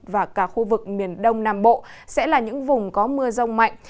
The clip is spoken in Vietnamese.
và cả khu vực miền đông nam bộ sẽ là những vùng có mưa rông mạnh